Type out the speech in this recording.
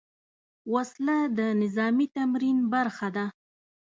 وسله د نظامي تمرین برخه ده